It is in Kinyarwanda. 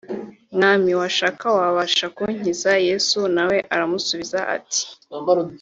“mwami washaka wabasha kunyiza" Yesu nawe aramusubiza ati